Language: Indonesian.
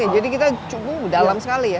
jadi kita cukup dalam sekali ya